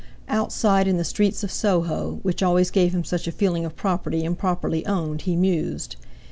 Outside in the streets of Soho, which always gave him such a feeling of property improperly owned, he mused.